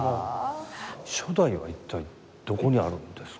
初代は一体どこにあるんですか？